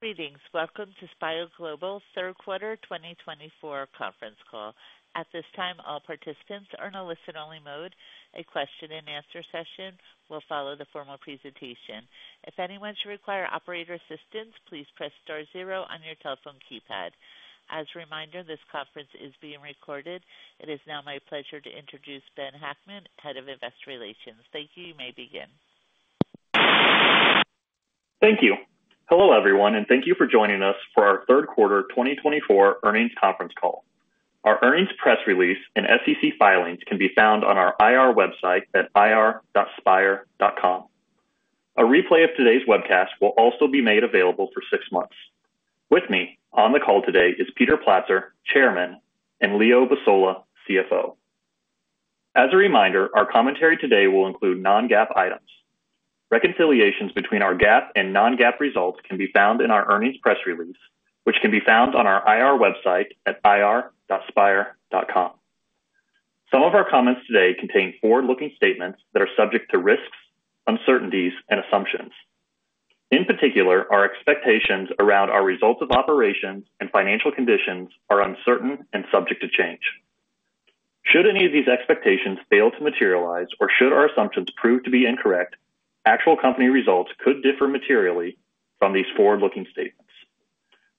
Greetings. Welcome to Spire Global third quarter 2024 conference call. At this time, all participants are in a listen-only mode. A question-and-answer session will follow the formal presentation. If anyone should require operator assistance, please press star zero on your telephone keypad. As a reminder, this conference is being recorded. It is now my pleasure to introduce Ben Hackman, Head of Investor Relations. Thank you. You may begin. Thank you. Hello, everyone, and thank you for joining us for our third quarter 2024 earnings conference call. Our earnings press release and SEC filings can be found on our IR website at ir.spire.com. A replay of today's webcast will also be made available for six months. With me on the call today is Peter Platzer, Chairman, and Leo Basola, CFO. As a reminder, our commentary today will include non-GAAP items. Reconciliations between our GAAP and non-GAAP results can be found in our earnings press release, which can be found on our IR website at ir.spire.com. Some of our comments today contain forward-looking statements that are subject to risks, uncertainties, and assumptions. In particular, our expectations around our results of operations and financial conditions are uncertain and subject to change. Should any of these expectations fail to materialize, or should our assumptions prove to be incorrect, actual company results could differ materially from these forward-looking statements.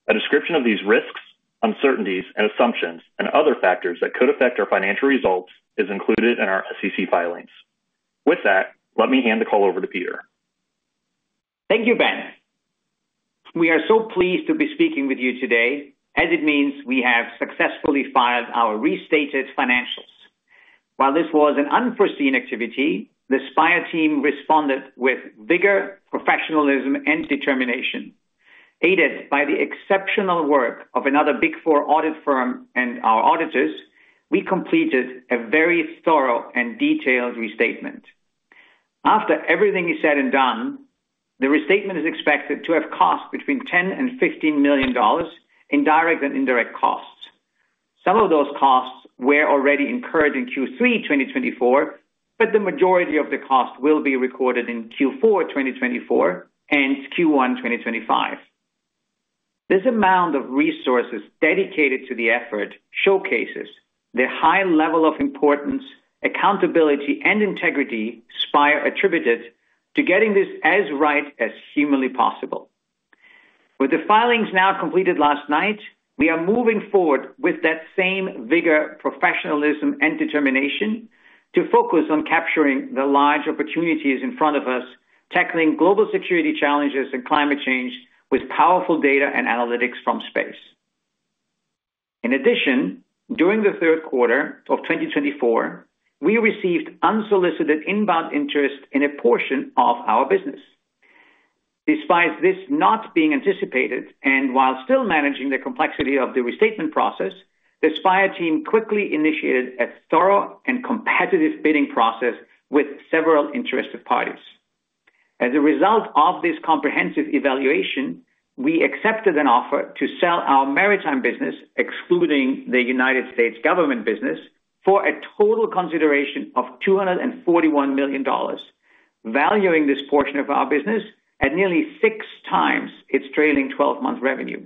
A description of these risks, uncertainties, and assumptions, and other factors that could affect our financial results is included in our SEC filings. With that, let me hand the call over to Peter. Thank you, Ben. We are so pleased to be speaking with you today as it means we have successfully filed our restated financials. While this was an unforeseen activity, the Spire team responded with vigor, professionalism, and determination. Aided by the exceptional work of another Big 4 audit firm and our auditors, we completed a very thorough and detailed restatement. After everything is said and done, the restatement is expected to have cost between $10 million and $15 million in direct and indirect costs. Some of those costs were already incurred in Q3 2024, but the majority of the cost will be recorded in Q4 2024 and Q1 2025. This amount of resources dedicated to the effort showcases the high level of importance, accountability, and integrity Spire attributed to getting this as right as humanly possible. With the filings now completed last night, we are moving forward with that same vigor, professionalism, and determination to focus on capturing the large opportunities in front of us, tackling global security challenges and climate change with powerful data and analytics from space. In addition, during the third quarter of 2024, we received unsolicited inbound interest in a portion of our business. Despite this not being anticipated and while still managing the complexity of the restatement process, the Spire team quickly initiated a thorough and competitive bidding process with several interested parties. As a result of this comprehensive evaluation, we accepted an offer to sell our Maritime business, excluding the U.S. government business, for a total consideration of $241 million, valuing this portion of our business at nearly six times its trailing 12-month revenue.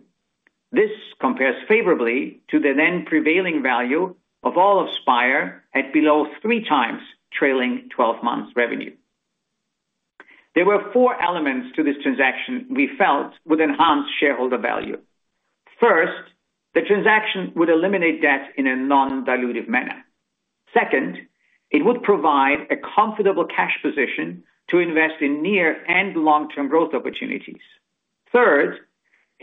This compares favorably to the then prevailing value of all of Spire at below 3x trailing 12-month revenue. There were four elements to this transaction we felt would enhance shareholder value. First, the transaction would eliminate debt in a non-dilutive manner. Second, it would provide a comfortable cash position to invest in near and long-term growth opportunities. Third,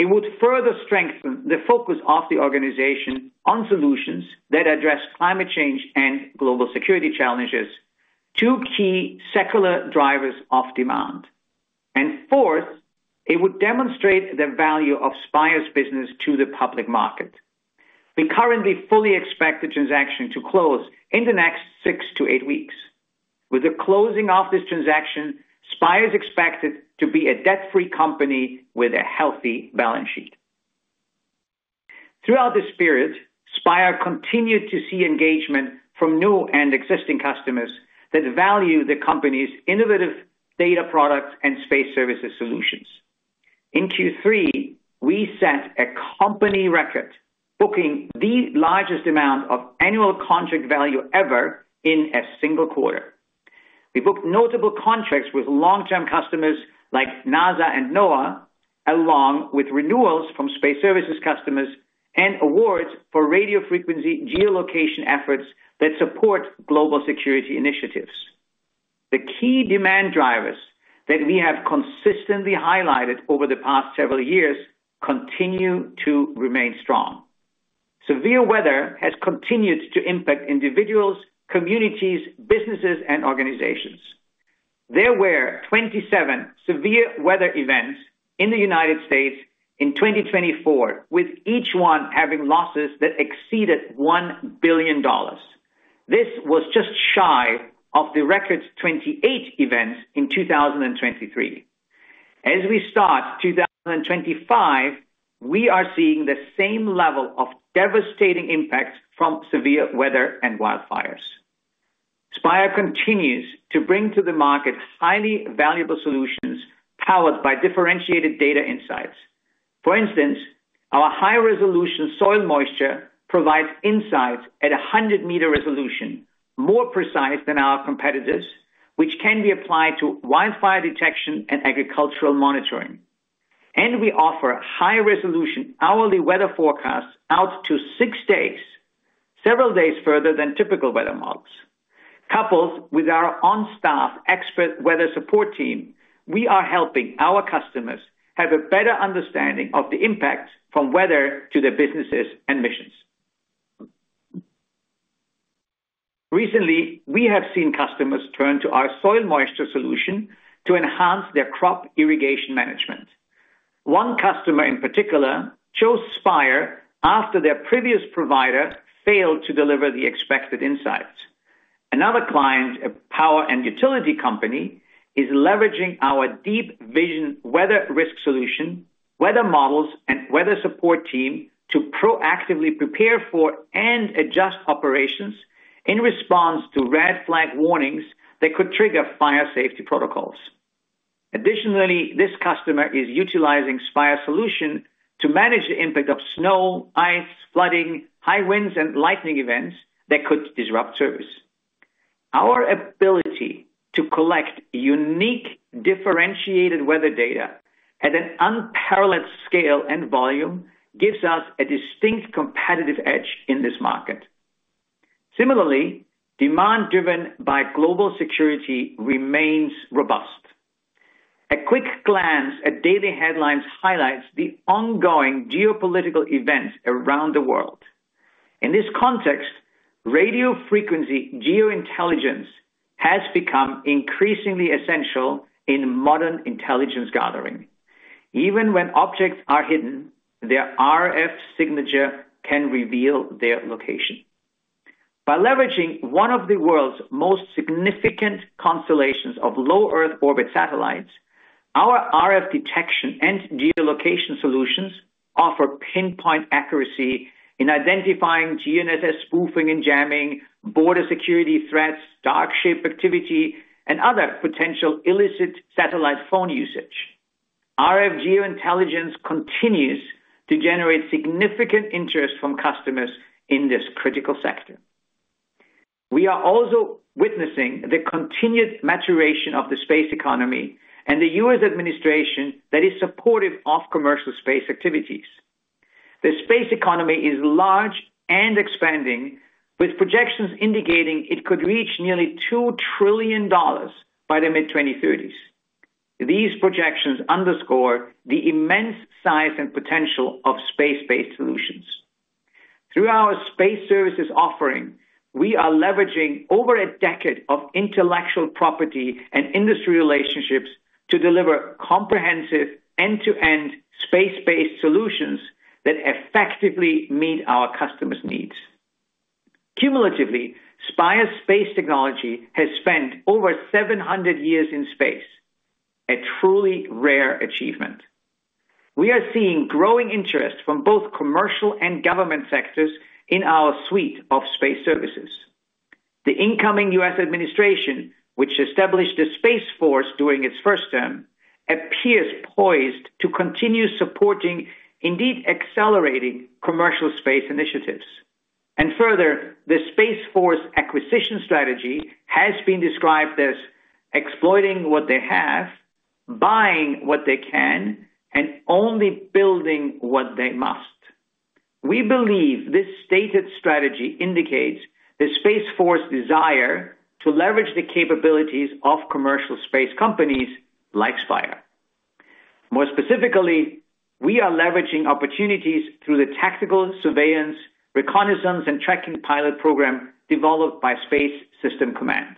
it would further strengthen the focus of the organization on solutions that address climate change and global security challenges, two key secular drivers of demand. Fourth, it would demonstrate the value of Spire's business to the public market. We currently fully expect the transaction to close in the next six to eight weeks. With the closing of this transaction, Spire is expected to be a debt-free company with a healthy balance sheet. Throughout this period, Spire continued to see engagement from new and existing customers that value the company's innovative data products and Space Services solutions. In Q3, we set a company record, booking the largest amount of annual contract value ever in a single quarter. We booked notable contracts with long-term customers like NASA and NOAA, along with renewals from Space Services customers and awards for radio frequency geolocation efforts that support global security initiatives. The key demand drivers that we have consistently highlighted over the past several years continue to remain strong. Severe weather has continued to impact individuals, communities, businesses, and organizations. There were 27 severe weather events in the U.S. in 2024, with each one having losses that exceeded $1 billion. This was just shy of the record's 28 events in 2023. As we start 2025, we are seeing the same level of devastating impacts from severe weather and wildfires. Spire continues to bring to the market highly valuable solutions powered by differentiated data insights. For instance, our high-resolution soil moisture provides insights at 100-meter resolution, more precise than our competitors, which can be applied to wildfire detection and agricultural monitoring. We offer high-resolution hourly weather forecasts out to six days, several days further than typical weather models. Coupled with our on-staff expert weather support team, we are helping our customers have a better understanding of the impact from weather to their businesses and missions. Recently, we have seen customers turn to our soil moisture solution to enhance their crop irrigation management. One customer in particular chose Spire after their previous provider failed to deliver the expected insights. Another client, a power and utility company, is leveraging our Deep Vision weather risk solution, weather models, and weather support team to proactively prepare for, and adjust operations in response to red flag warnings that could trigger fire safety protocols. Additionally, this customer is utilizing Spire's solution to manage the impact of snow, ice, flooding, high winds, and lightning events that could disrupt service. Our ability to collect unique, differentiated weather data at an unparalleled scale and volume gives us a distinct competitive edge in this market. Similarly, demand driven by global security remains robust. A quick glance at daily headlines highlights the ongoing geopolitical events around the world. In this context, radio frequency geointelligence has become increasingly essential in modern intelligence gathering. Even when objects are hidden, their RF signature can reveal their location. By leveraging one of the world's most significant constellations of low Earth orbit satellites, our RF detection and geolocation solutions offer pinpoint accuracy in identifying GNSS spoofing and jamming, border security threats, dark ship activity, and other potential illicit satellite phone usage. RF geointelligence continues to generate significant interest from customers in this critical sector. We are also witnessing the continued maturation of the space economy and the U.S. administration that is supportive of commercial space activities. The space economy is large and expanding, with projections indicating it could reach nearly $2 trillion by the mid-2030s. These projections underscore the immense size and potential of space-based solutions. Through our Space Services offering, we are leveraging over a decade of intellectual property and industry relationships to deliver comprehensive end-to-end space-based solutions that effectively meet our customers' needs. Cumulatively, Spire's space technology has spent over 700 years in space, a truly rare achievement. We are seeing growing interest from both commercial and government sectors in our suite of Space Services. The incoming U.S. administration, which established the Space Force during its first term, appears poised to continue supporting, indeed accelerating, commercial space initiatives. Further, the Space Force acquisition strategy has been described as exploiting what they have, buying what they can, and only building what they must. We believe this stated strategy indicates the Space Force's desire to leverage the capabilities of commercial space companies like Spire. More specifically, we are leveraging opportunities through the Tactical Surveillance, Reconnaissance, and Tracking pilot program developed by Space System Command.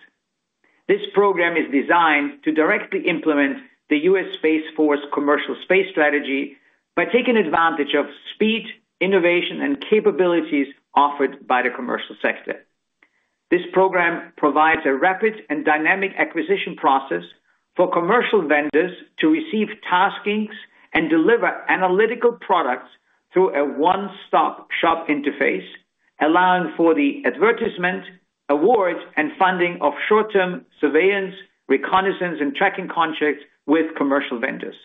This program is designed to directly implement the U.S. Space Force Commercial Space Strategy by taking advantage of speed, innovation, and capabilities offered by the commercial sector. This program provides a rapid and dynamic acquisition process for commercial vendors to receive taskings and deliver analytical products through a one-stop shop interface, allowing for the advertisement, awards, and funding of short-term surveillance, reconnaissance, and tracking contracts with commercial vendors.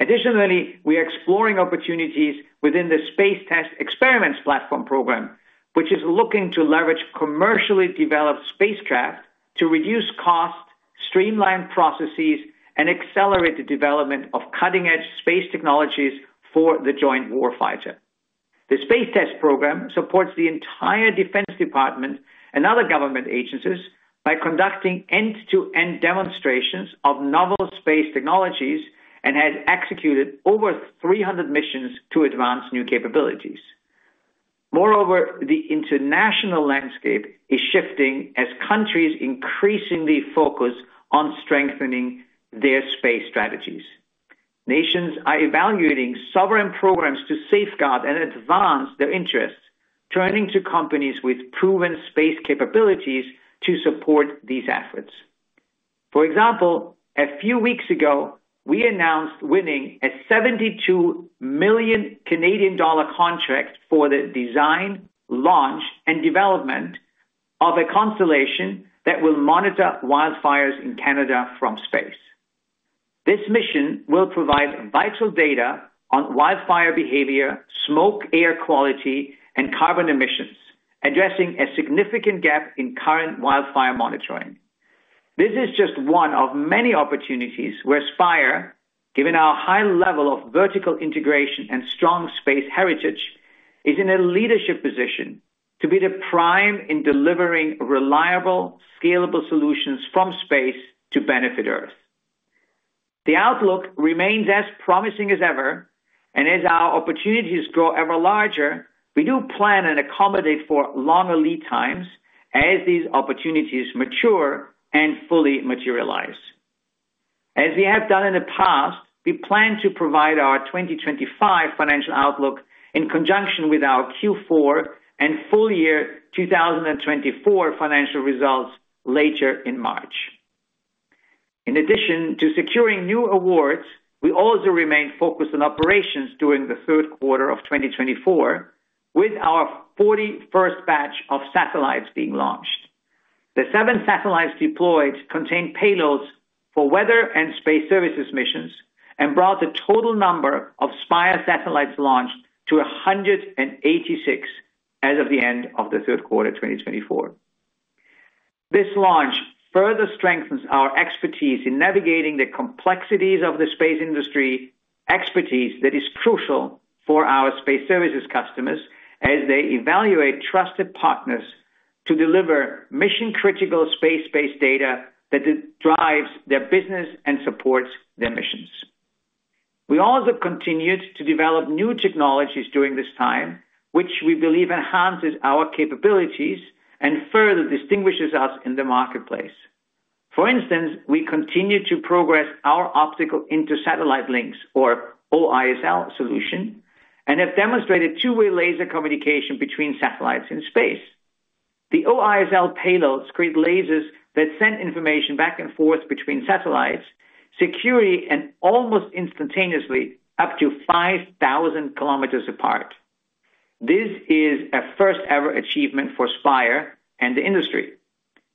Additionally, we are exploring opportunities within the Space Test Experiments Platform program, which is looking to leverage commercially developed spacecraft to reduce costs, streamline processes, and accelerate the development of cutting-edge space technologies for the joint warfighter. The Space Test program supports the entire Defense Department and other government agencies by conducting end-to-end demonstrations of novel space technologies and has executed over 300 missions to advance new capabilities. Moreover, the international landscape is shifting as countries increasingly focus on strengthening their space strategies. Nations are evaluating sovereign programs to safeguard and advance their interests, turning to companies with proven space capabilities to support these efforts. For example, a few weeks ago, we announced winning a 72 million Canadian dollar contract for the design, launch, and development of a constellation that will monitor wildfires in Canada from space. This mission will provide vital data on wildfire behavior, smoke air quality, and carbon emissions, addressing a significant gap in current wildfire monitoring. This is just one of many opportunities where Spire, given our high level of vertical integration and strong space heritage, is in a leadership position to be the prime in delivering reliable, scalable solutions from space to benefit Earth. The outlook remains as promising as ever, and as our opportunities grow ever larger, we do plan and accommodate for longer lead times as these opportunities mature and fully materialize. As we have done in the past, we plan to provide our 2025 financial outlook in conjunction with our Q4 and full year 2024 financial results later in March. In addition to securing new awards, we also remain focused on operations during the third quarter of 2024, with our 41st batch of satellites being launched. The seven satellites deployed contain payloads for weather and Space Services missions and brought the total number of Spire satellites launched to 186 as of the end of the third quarter 2024. This launch further strengthens our expertise in navigating the complexities of the space industry, expertise that is crucial for our Space Services customers as they evaluate trusted partners to deliver mission-critical space-based data that drives their business and supports their missions. We also continued to develop new technologies during this time, which we believe enhances our capabilities and further distinguishes us in the marketplace. For instance, we continue to progress our optical inter-satellite links, or OISL, solution and have demonstrated two-way laser communication between satellites in space. The OISL payloads create lasers that send information back and forth between satellites, securing and almost instantaneously up to 5,000 km apart. This is a first-ever achievement for Spire and the industry.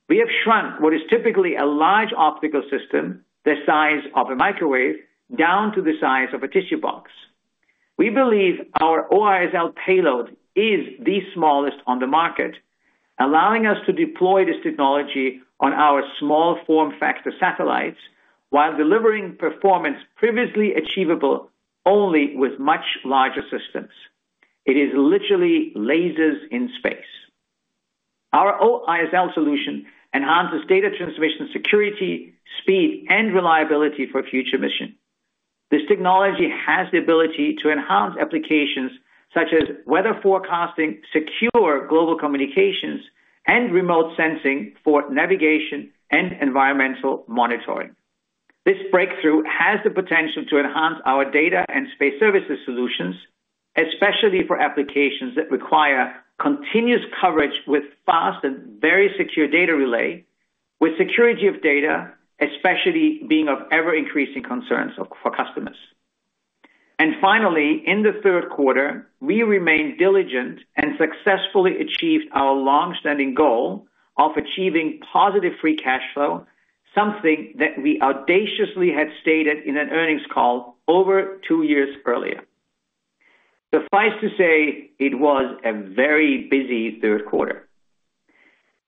We have shrunk what is typically a large optical system, the size of a microwave, down to the size of a tissue box. We believe our OISL payload is the smallest on the market, allowing us to deploy this technology on our small form factor satellites while delivering performance previously achievable only with much larger systems. It is literally lasers in space. Our OISL solution enhances data transmission security, speed, and reliability for future missions. This technology has the ability to enhance applications such as weather forecasting, secure global communications, and remote sensing for navigation and environmental monitoring. This breakthrough has the potential to enhance our data and Space Services solutions, especially for applications that require continuous coverage with fast and very secure data relay, with security of data especially being of ever-increasing concerns for customers. Finally, in the third quarter, we remained diligent and successfully achieved our long-standing goal of achieving positive free cash flow, something that we audaciously had stated in an earnings call over two years earlier. Suffice to say, it was a very busy third quarter.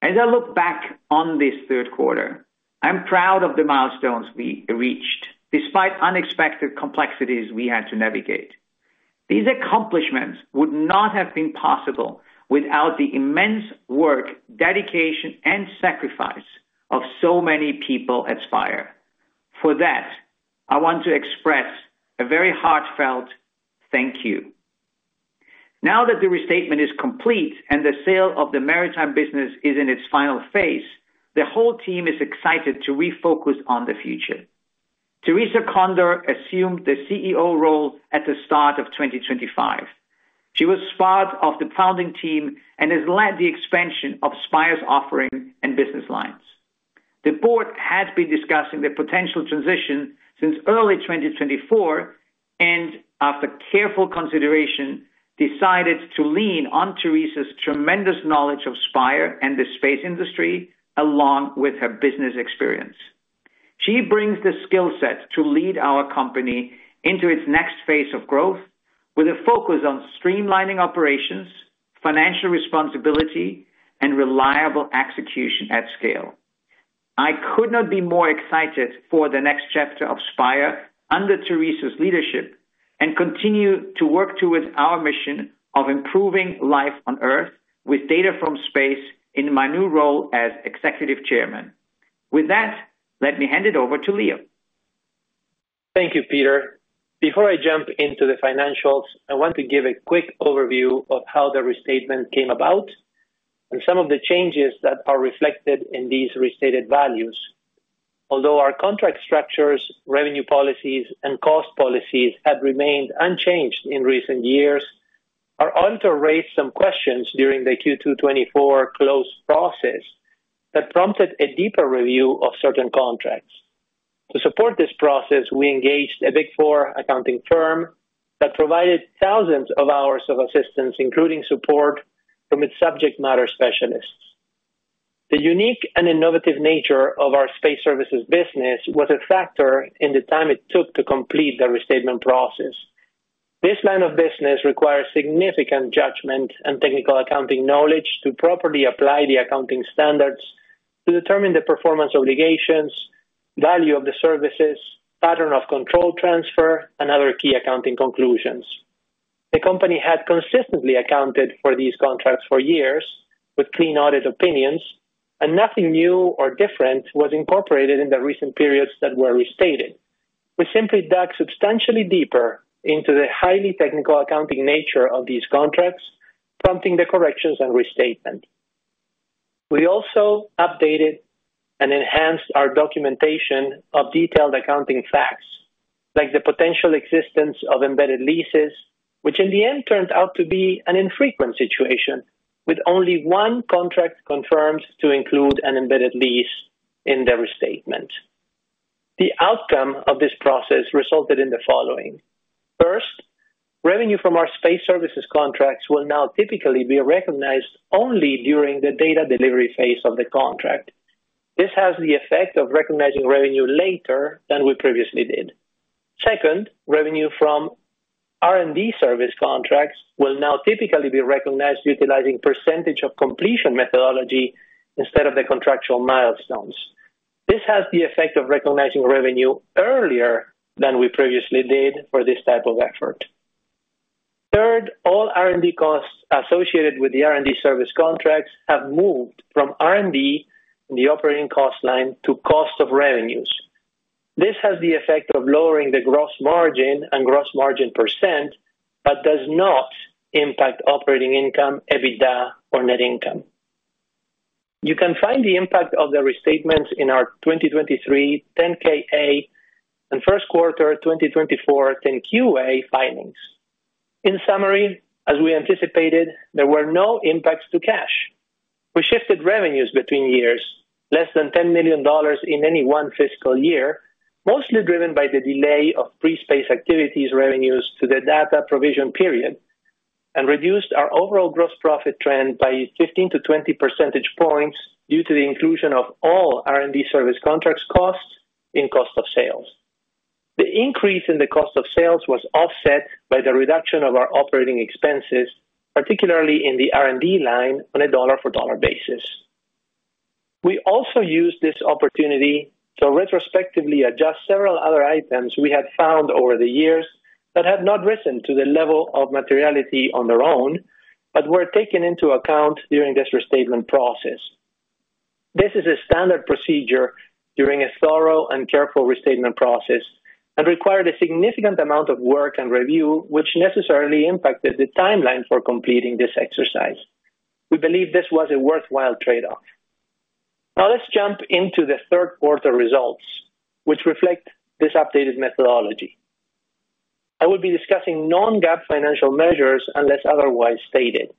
As I look back on this third quarter, I'm proud of the milestones we reached despite unexpected complexities we had to navigate. These accomplishments would not have been possible without the immense work, dedication, and sacrifice of so many people at Spire. For that, I want to express a very heartfelt thank you. Now that the restatement is complete and the sale of the Maritime business is in its final phase, the whole team is excited to refocus on the future. Theresa Condor assumed the CEO role at the start of 2025. She was part of the founding team and has led the expansion of Spire's offering and business lines. The board has been discussing the potential transition since early 2024 and, after careful consideration, decided to lean on Theresa's tremendous knowledge of Spire and the space industry along with her business experience. She brings the skill set to lead our company into its next phase of growth with a focus on streamlining operations, financial responsibility, and reliable execution at scale. I could not be more excited for the next chapter of Spire under Theresa's leadership and continue to work towards our mission of improving life on Earth with data from space in my new role as Executive Chairman. With that, let me hand it over to Leo. Thank you, Peter. Before I jump into the financials, I want to give a quick overview of how the restatement came about and some of the changes that are reflected in these restated values. Although our contract structures, revenue policies, and cost policies have remained unchanged in recent years, our auditor raised some questions during the Q2 2024 close process that prompted a deeper review of certain contracts. To support this process, we engaged a Big 4 accounting firm that provided thousands of hours of assistance, including support from its subject matter specialists. The unique and innovative nature of our Space Services business was a factor in the time it took to complete the restatement process. This line of business requires significant judgment and technical accounting knowledge to properly apply the accounting standards to determine the performance obligations, value of the services, pattern of control transfer, and other key accounting conclusions. The company had consistently accounted for these contracts for years with clean audit opinions, and nothing new or different was incorporated in the recent periods that were restated. We simply dug substantially deeper into the highly technical accounting nature of these contracts, prompting the corrections and restatement. We also updated and enhanced our documentation of detailed accounting facts, like the potential existence of embedded leases, which in the end turned out to be an infrequent situation with only one contract confirmed to include an embedded lease in the restatement. The outcome of this process resulted in the following. First, revenue from our Space Services contracts will now typically be recognized only during the data delivery phase of the contract. This has the effect of recognizing revenue later than we previously did. Second, revenue from R&D service contracts will now typically be recognized utilizing percentage of completion methodology instead of the contractual milestones. This has the effect of recognizing revenue earlier than we previously did for this type of effort. Third, all R&D costs associated with the R&D service contracts have moved from R&D in the operating cost line to cost of revenues. This has the effect of lowering the gross margin and gross margin percent but does not impact operating income, EBITDA, or net income. You can find the impact of the restatements in our 2023 10-K/A and first quarter 2024 10-Q/A findings. In summary, as we anticipated, there were no impacts to cash. We shifted revenues between years, less than $10 million in any one fiscal year, mostly driven by the delay of pre-space activities revenues to the data provision period and reduced our overall gross profit trend by 15-20 percentage points due to the inclusion of all R&D service contracts costs in cost of sales. The increase in the cost of sales was offset by the reduction of our operating expenses, particularly in the R&D line on a dollar-for-dollar basis. We also used this opportunity to retrospectively adjust several other items we had found over the years that had not risen to the level of materiality on their own but were taken into account during this restatement process. This is a standard procedure during a thorough and careful restatement process and required a significant amount of work and review, which necessarily impacted the timeline for completing this exercise. We believe this was a worthwhile trade-off. Now let's jump into the third quarter results, which reflect this updated methodology. I will be discussing non-GAAP financial measures unless otherwise stated.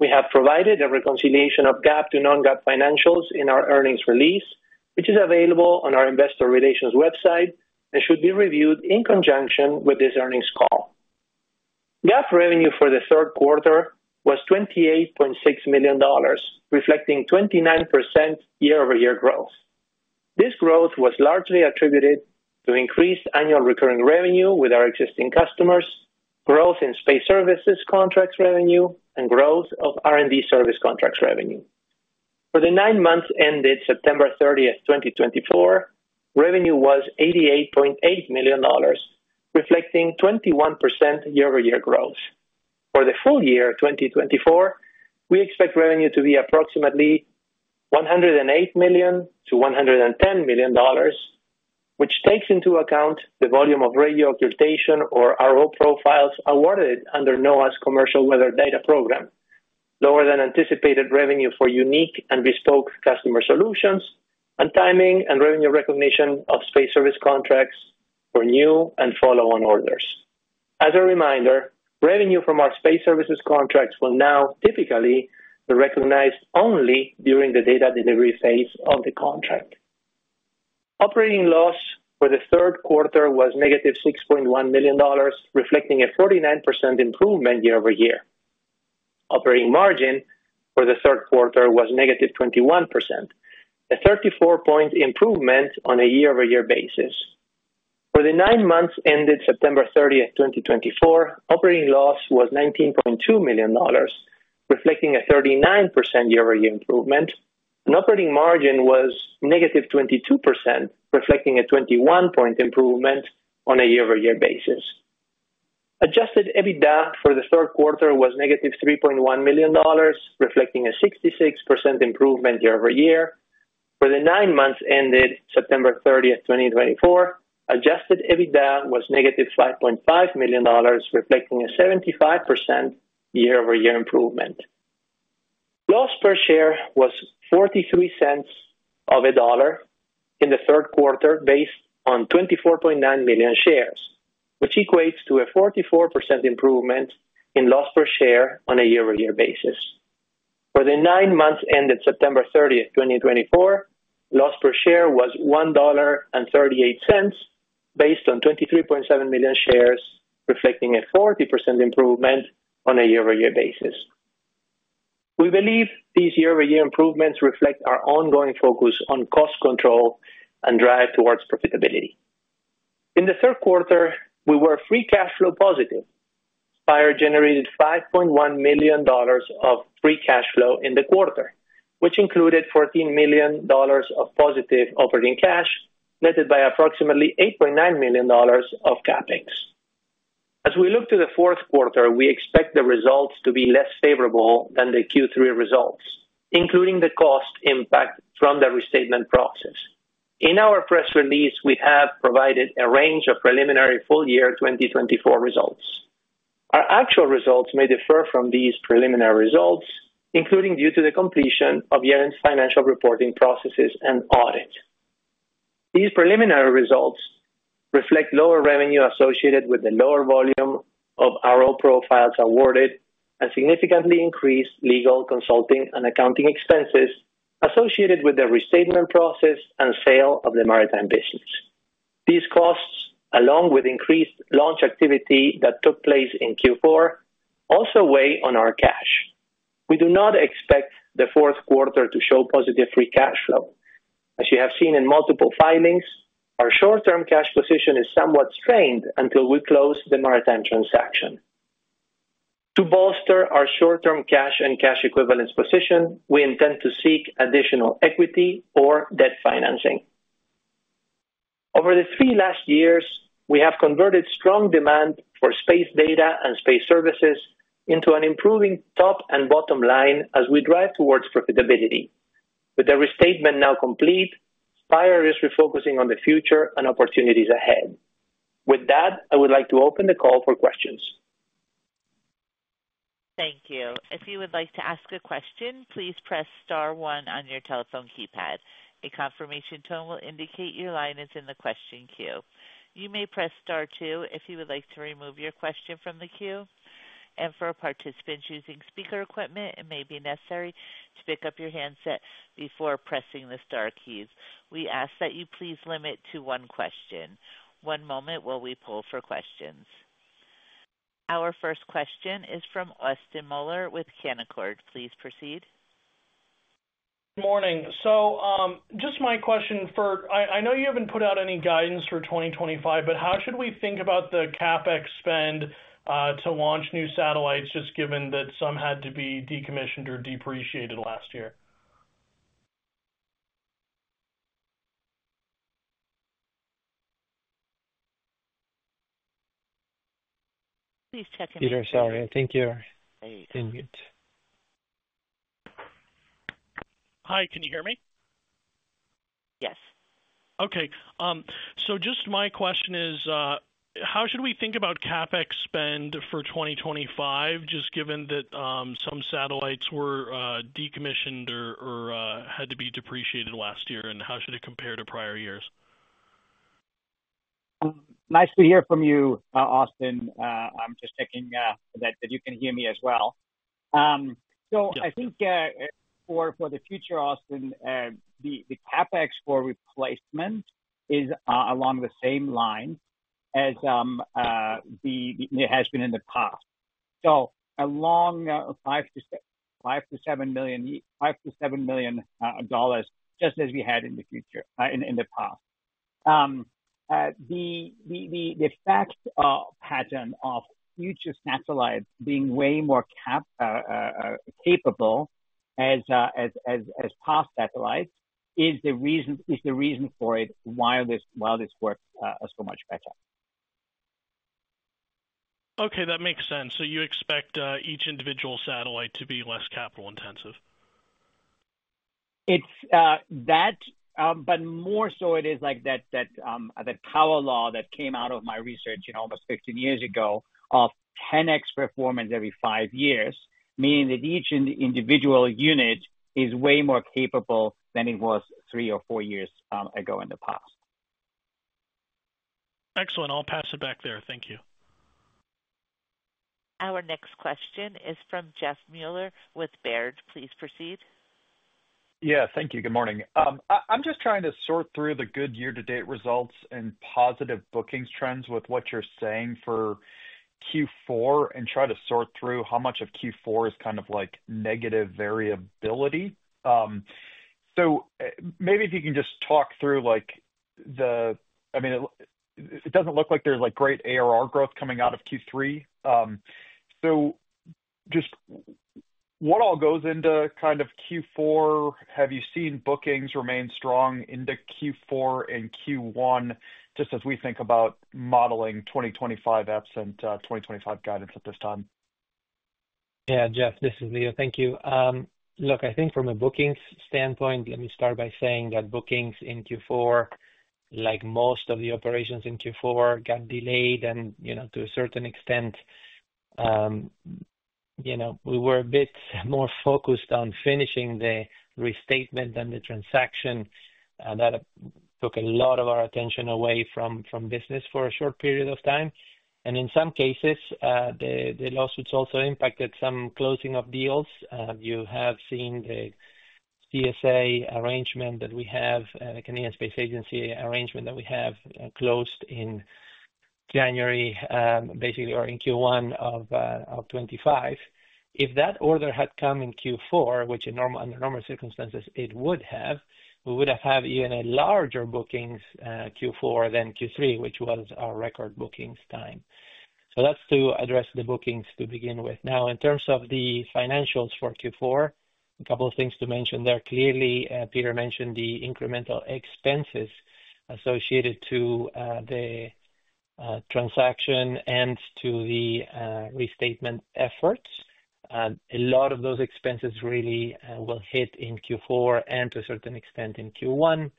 We have provided a reconciliation of GAAP to non-GAAP financials in our earnings release, which is available on our investor relations website and should be reviewed in conjunction with this earnings call. GAAP revenue for the third quarter was $28.6 million, reflecting 29% year-over-year growth. This growth was largely attributed to increased annual recurring revenue with our existing customers, growth in Space Services contracts revenue, and growth of R&D service contracts revenue. For the nine months ended September 30, 2024, revenue was $88.8 million, reflecting 21% year-over-year growth. For the full year 2024, we expect revenue to be approximately $108 million-$110 million, which takes into account the volume of radio occultation or RO profiles awarded under NOAA's Commercial Weather Data Program, lower than anticipated revenue for unique and bespoke customer solutions, and timing and revenue recognition of space service contracts for new and follow-on orders. As a reminder, revenue from our Space Services contracts will now typically be recognized only during the data delivery phase of the contract. Operating loss for the third quarter was -$6.1 million, reflecting a 49% improvement year-over-year. Operating margin for the third quarter was -21%, a 34-percentage point improvement on a year-over-year basis. For the nine months ended September 30, 2024, operating loss was $19.2 million, reflecting a 39% year-over-year improvement, and operating margin was -22%, reflecting a 21-percentage point improvement on a year-over-year basis. Adjusted EBITDA for the third quarter was -$3.1 million, reflecting a 66% improvement year-over-year. For the nine months ended September 30, 2024, adjusted EBITDA was -$5.5 million, reflecting a 75% year-over-year improvement. Loss per share was $0.43 in the third quarter based on 24.9 million shares, which equates to a 44% improvement in loss per share on a year-over-year basis. For the nine months ended September 30, 2024, loss per share was $1.38 based on 23.7 million shares, reflecting a 40% improvement on a year-over-year basis. We believe these year-over-year improvements reflect our ongoing focus on cost control and drive towards profitability. In the third quarter, we were free cash flow positive. Spire generated $5.1 million of free cash flow in the quarter, which included $14 million of positive operating cash netted by approximately $8.9 million of capex. As we look to the fourth quarter, we expect the results to be less favorable than the Q3 results, including the cost impact from the restatement process. In our press release, we have provided a range of preliminary full year 2024 results. Our actual results may differ from these preliminary results, including due to the completion of year-end financial reporting processes and audit. These preliminary results reflect lower revenue associated with the lower volume of RO profiles awarded and significantly increased legal, consulting, and accounting expenses associated with the restatement process and sale of the Maritime business. These costs, along with increased launch activity that took place in Q4, also weigh on our cash. We do not expect the fourth quarter to show positive free cash flow. As you have seen in multiple filings, our short-term cash position is somewhat strained until we close the Maritime transaction. To bolster our short-term cash and cash equivalents position, we intend to seek additional equity or debt financing. Over the last three years, we have converted strong demand for space data and space services into an improving top and bottom line as we drive towards profitability. With the restatement now complete, Spire is refocusing on the future and opportunities ahead. With that, I would like to open the call for questions. Thank you. If you would like to ask a question, please press Star one on your telephone keypad. A confirmation tone will indicate your line is in the question queue. You may press Star two if you would like to remove your question from the queue. For participants using speaker equipment, it may be necessary to pick up your handset before pressing the Star keys. We ask that you please limit to one question. One moment while we pull for questions. Our first question is from Austin Moeller with Canaccord. Please proceed. Good morning. Just my question for I know you have not put out any guidance for 2025, but how should we think about the CapEx spend to launch new satellites, just given that some had to be decommissioned or depreciated last year? Please check in. Peter, sorry. I think you are muted. Hi. Can you hear me? Yes. Okay. Just my question is, how should we think about CapEx spend for 2025, just given that some satellites were decommissioned or had to be depreciated last year, and how should it compare to prior years? Nice to hear from you, Austin. I am just checking that you can hear me as well. I think for the future, Austin, the CapEx for replacement is along the same line as it has been in the past. So along $5 million-$7 million, just as we had in the past. The fact pattern of future satellites being way more capable as past satellites is the reason for it, why this works so much better. Okay. That makes sense. You expect each individual satellite to be less capital-intensive? But more so, it is like that power law that came out of my research almost 15 years ago of 10x performance every five years, meaning that each individual unit is way more capable than it was three or four years ago in the past. Excellent. I'll pass it back there. Thank you. Our next question is from Jeff Meuler with Baird. Please proceed. Yeah. Thank you. Good morning. I'm just trying to sort through the good year-to-date results and positive bookings trends with what you're saying for Q4 and try to sort through how much of Q4 is kind of negative variability. Maybe if you can just talk through the, I mean, it doesn't look like there's great ARR growth coming out of Q3. Just what all goes into kind of Q4? Have you seen bookings remain strong into Q4 and Q1, just as we think about modeling 2025 absent 2025 guidance at this time? Yeah. Jeff, this is Leo. Thank you. Look, I think from a bookings standpoint, let me start by saying that bookings in Q4, like most of the operations in Q4, got delayed. To a certain extent, we were a bit more focused on finishing the restatement than the transaction. That took a lot of our attention away from business for a short period of time. In some cases, the lawsuits also impacted some closing of deals. You have seen the Canadian Space Agency arrangement that we have closed in January, basically, or in Q1 of 2025. If that order had come in Q4, which under normal circumstances it would have, we would have had even larger bookings Q4 than Q3, which was our record bookings time. That's to address the bookings to begin with. Now, in terms of the financials for Q4, a couple of things to mention there. Clearly, Peter mentioned the incremental expenses associated to the transaction and to the restatement efforts. A lot of those expenses really will hit in Q4 and to a certain extent in Q1.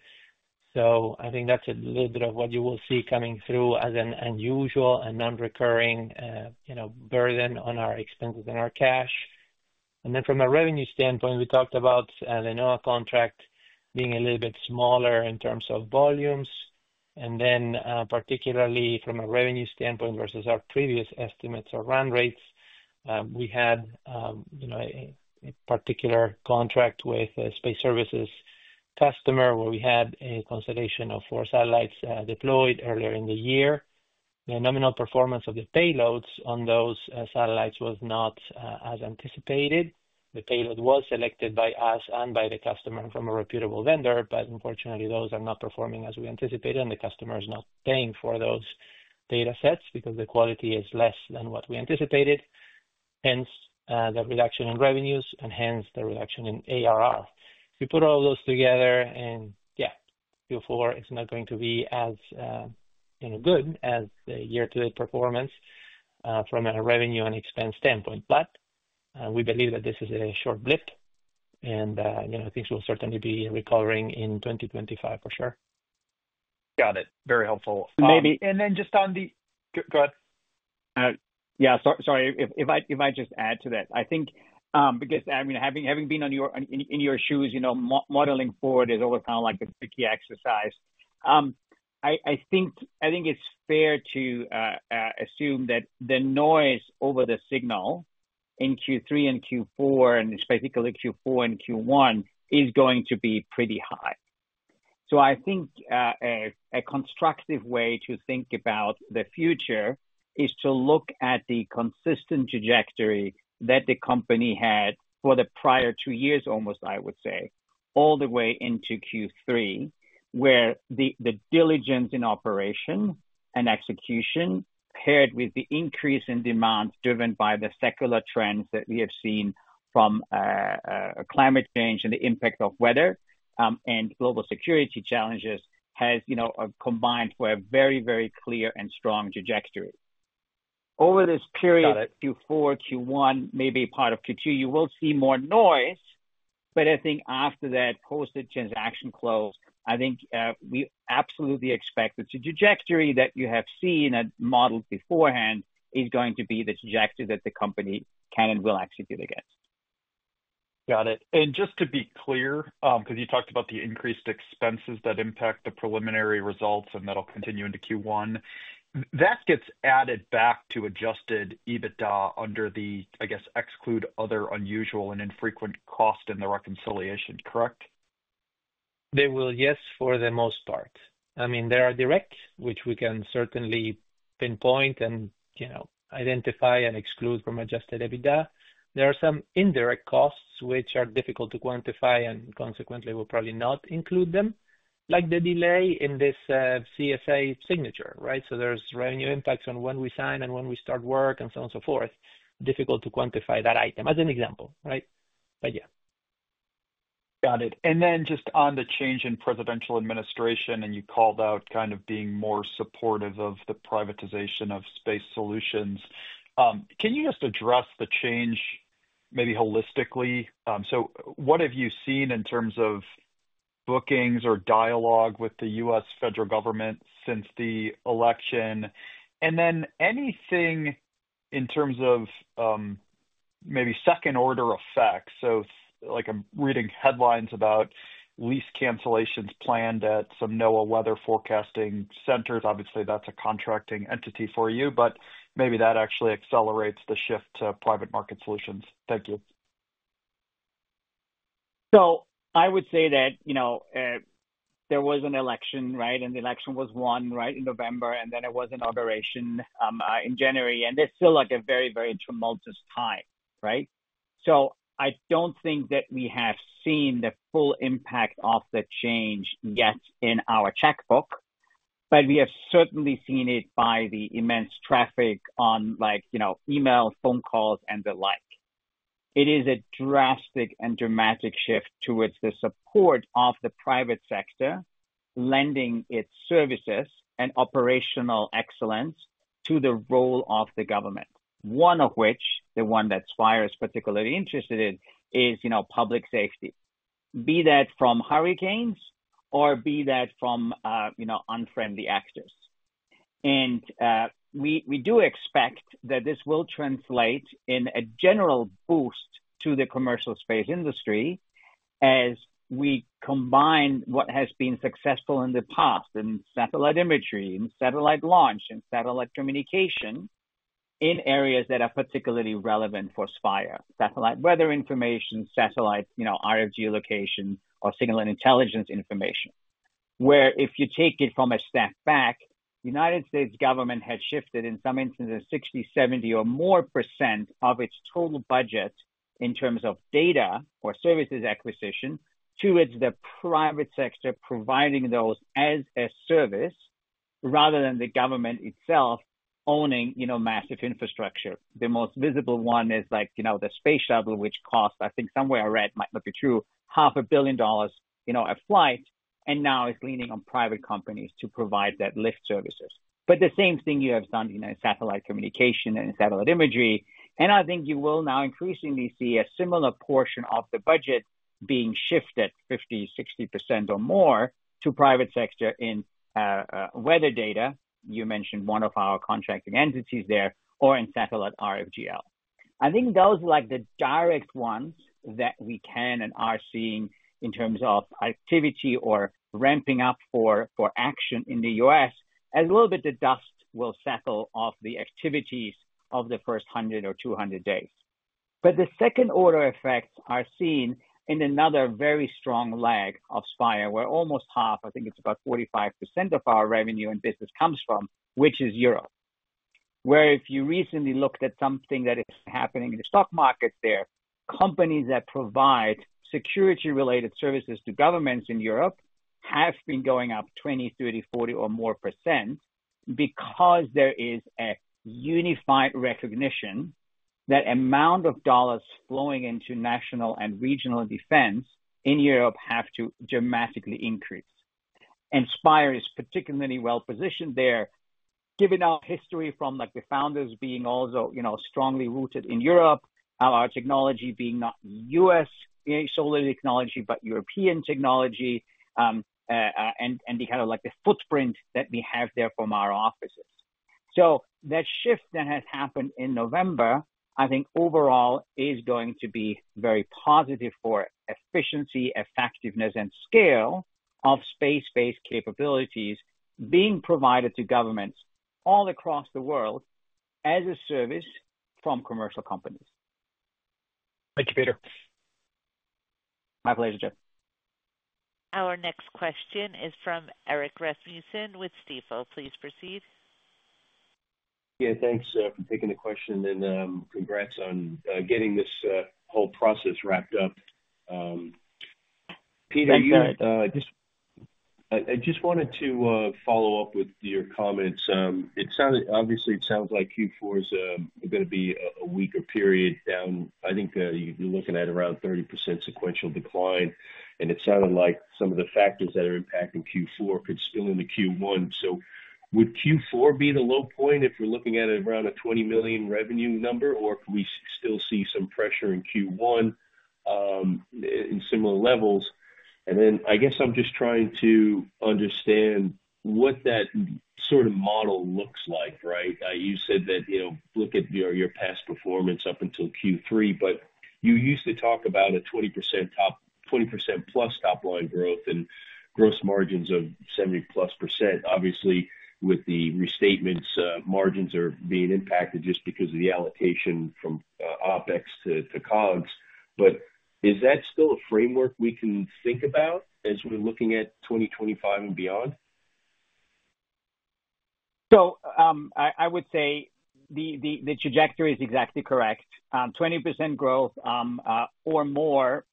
I think that's a little bit of what you will see coming through as an unusual and non-recurring burden on our expenses and our cash. From a revenue standpoint, we talked about the NOAA contract being a little bit smaller in terms of volumes. Particularly from a revenue standpoint versus our previous estimates or run rates, we had a particular contract with a Space Services customer where we had a consideration of four satellites deployed earlier in the year. The nominal performance of the payloads on those satellites was not as anticipated. The payload was selected by us and by the customer from a reputable vendor, but unfortunately, those are not performing as we anticipated, and the customer is not paying for those data sets because the quality is less than what we anticipated. Hence, the reduction in revenues and hence the reduction in ARR. If you put all those together, and yeah, Q4 is not going to be as good as the year-to-date performance from a revenue and expense standpoint. We believe that this is a short blip, and things will certainly be recovering in 2025 for sure. Got it. Very helpful. Just on the go ahead. Sorry. If I just add to that, I think because I mean, having been in your shoes, modeling forward is always kind of like a tricky exercise. I think it's fair to assume that the noise over the signal in Q3 and Q4, and specifically Q4 and Q1, is going to be pretty high. I think a constructive way to think about the future is to look at the consistent trajectory that the company had for the prior two years almost, I would say, all the way into Q3, where the diligence in operation and execution paired with the increase in demand driven by the secular trends that we have seen from climate change and the impact of weather and global security challenges has combined for a very, very clear and strong trajectory. Over this period, Q4, Q1, maybe part of Q2, you will see more noise. I think after that posted transaction close, I think we absolutely expect that the trajectory that you have seen and modeled beforehand is going to be the trajectory that the company can and will execute against. Got it. Just to be clear, because you talked about the increased expenses that impact the preliminary results and that'll continue into Q1, that gets added back to adjusted EBITDA under the, I guess, exclude other unusual and infrequent cost in the reconciliation, correct? They will, yes, for the most part. I mean, there are direct, which we can certainly pinpoint and identify and exclude from adjusted EBITDA. There are some indirect costs which are difficult to quantify and consequently will probably not include them, like the delay in this Canadian Space Agency signature, right? So there's revenue impacts on when we sign and when we start work and so on and so forth. Difficult to quantify that item as an example, right? Yeah. Got it. Just on the change in presidential administration, and you called out kind of being more supportive of the privatization of space solutions. Can you just address the change maybe holistically? What have you seen in terms of bookings or dialogue with the U.S. federal government since the election? Anything in terms of maybe second-order effects? I'm reading headlines about lease cancellations planned at some NOAA weather forecasting centers. Obviously, that's a contracting entity for you, but maybe that actually accelerates the shift to private market solutions. Thank you. I would say that there was an election, right? The election was won in November, and then it was inauguration in January. It's still a very, very tumultuous time, right? I don't think that we have seen the full impact of the change yet in our checkbook, but we have certainly seen it by the immense traffic on emails, phone calls, and the like. It is a drastic and dramatic shift towards the support of the private sector lending its services and operational excellence to the role of the government, one of which, the one that Spire is particularly interested in, is public safety, be that from hurricanes or be that from unfriendly actors. We do expect that this will translate in a general boost to the commercial space industry as we combine what has been successful in the past in satellite imagery and satellite launch and satellite communication in areas that are particularly relevant for Spire: satellite weather information, satellite RF geolocation, or signal and intelligence information. Where if you take it from a step back, the U.S. government had shifted in some instances 60%, 70%, or more of its total budget in terms of data or services acquisition towards the private sector providing those as a service rather than the government itself owning massive infrastructure. The most visible one is the Space Shuttle, which cost, I think somewhere I read might not be true, $500 million a flight, and now it's leaning on private companies to provide that lift services. The same thing you have done in satellite communication and satellite imagery. I think you will now increasingly see a similar portion of the budget being shifted 50%-60% or more to private sector in weather data. You mentioned one of our contracting entities there or in satellite RFGL. I think those are the direct ones that we can and are seeing in terms of activity or ramping up for action in the U.S. as a little bit the dust will settle off the activities of the first 100 or 200 days. The second-order effects are seen in another very strong lag of Spire, where almost half, I think it's about 45% of our revenue and business comes from, which is Europe. Where if you recently looked at something that is happening in the stock market there, companies that provide security-related services to governments in Europe have been going up 20%, 30%, 40%, or more because there is a unified recognition that amount of dollars flowing into national and regional defense in Europe have to dramatically increase. Spire is particularly well positioned there, given our history from the founders being also strongly rooted in Europe, our technology being not U.S. solely technology, but European technology, and the kind of the footprint that we have there from our offices. That shift that has happened in November, I think overall is going to be very positive for efficiency, effectiveness, and scale of space-based capabilities being provided to governments all across the world as a service from commercial companies. Thank you, Peter. My pleasure, Jeff. Our next question is from Erik Rasmussen with Stifel. Please proceed. Yeah. Thanks, Jeff, for taking the question. And congrats on getting this whole process wrapped up. Peter, I just wanted to follow up with your comments. Obviously, it sounds like Q4 is going to be a weaker period down. I think you're looking at around 30% sequential decline. It sounded like some of the factors that are impacting Q4 could spill into Q1. Would Q4 be the low point if we're looking at around a $20 million revenue number, or could we still see some pressure in Q1 in similar levels? I guess I'm just trying to understand what that sort of model looks like, right? You said that look at your past performance up until Q3, but you used to talk about a 20%+ top-line growth and gross margins of 70%+. Obviously, with the restatements, margins are being impacted just because of the allocation from OpEx to COGS. Is that still a framework we can think about as we're looking at 2025 and beyond? I would say the trajectory is exactly correct. 20% growth or more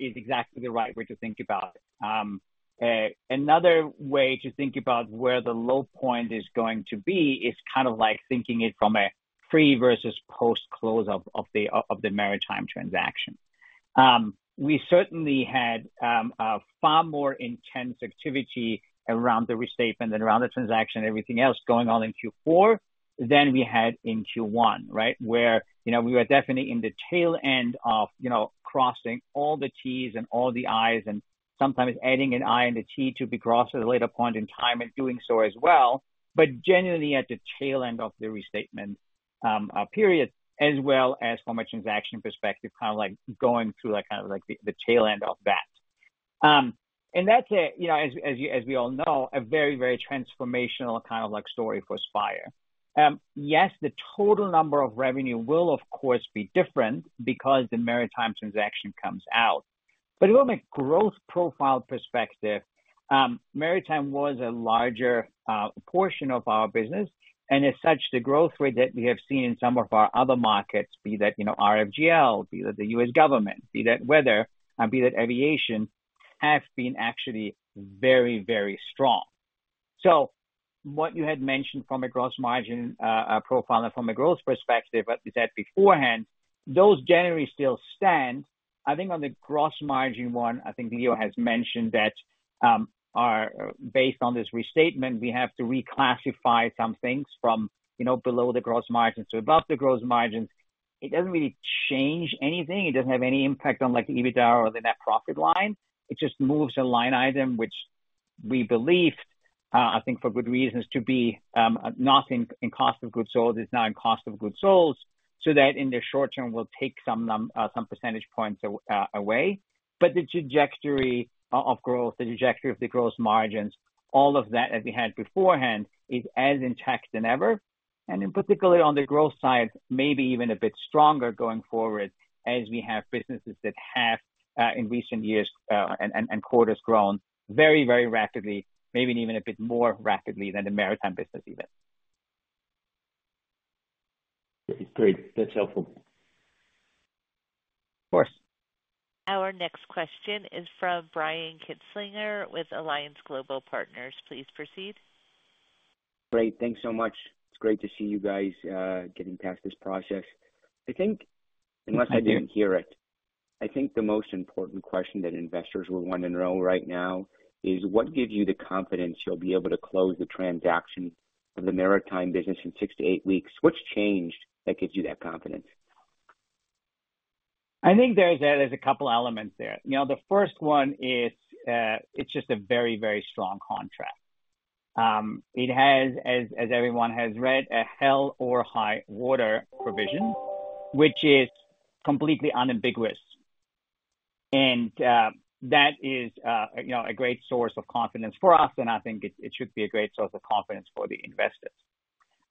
is exactly the right way to think about it. Another way to think about where the low point is going to be is kind of like thinking it from a pre-versus-post close of the Maritime transaction. We certainly had far more intense activity around the restatement and around the transaction and everything else going on in Q4 than we had in Q1, right? We were definitely in the tail end of crossing all the Ts and all the Is, and sometimes adding an I and a T to be crossed at a later point in time and doing so as well. Genuinely at the tail end of the restatement period, as well as from a transaction perspective, kind of like going through kind of the tail end of that. That is, as we all know, a very, very transformational kind of story for Spire. Yes, the total number of revenue will, of course, be different because the Maritime transaction comes out. From a growth profile perspective, Maritime was a larger portion of our business. As such, the growth rate that we have seen in some of our other markets, be that RFGL, be that the U.S. government, be that weather, be that aviation, have been actually very, very strong. What you had mentioned from a gross margin profile and from a growth perspective, as I said beforehand, those generally still stand. I think on the gross margin one, I think Leo has mentioned that based on this restatement, we have to reclassify some things from below the gross margins to above the gross margins. It does not really change anything. It does not have any impact on the EBITDA or the net profit line. It just moves a line item, which we believed, I think for good reasons, to be not in cost of goods sold, is now in cost of goods sold, so that in the short term will take some percentage points away. The trajectory of growth, the trajectory of the gross margins, all of that that we had beforehand is as intact than ever. In particular, on the growth side, maybe even a bit stronger going forward as we have businesses that have in recent years and quarters grown very, very rapidly, maybe even a bit more rapidly than the Maritime business even. Great. That's helpful. Of course. Our next question is from Brian Kinstlinger with Alliance Global Partners. Please proceed. Great. Thanks so much. It's great to see you guys getting past this process. I think. Unless I didn't hear it. I think the most important question that investors will want to know right now is, what gives you the confidence you'll be able to close the transaction of the Maritime business in six to eight weeks? What's changed that gives you that confidence? I think there's a couple of elements there. The first one is it's just a very, very strong contract. It has, as everyone has read, a hell or high water provision, which is completely unambiguous. That is a great source of confidence for us, and I think it should be a great source of confidence for the investors.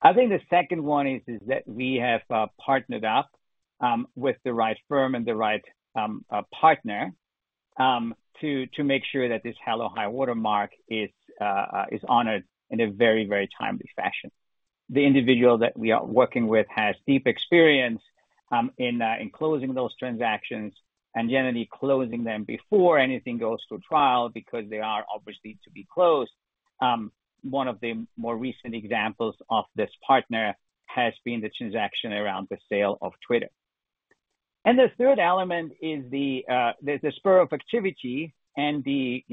I think the second one is that we have partnered up with the right firm and the right partner to make sure that this hell or high water mark is honored in a very, very timely fashion. The individual that we are working with has deep experience in closing those transactions and generally closing them before anything goes through trial because they are obviously to be closed. One of the more recent examples of this partner has been the transaction around the sale of Twitter. The third element is the spur of activity and the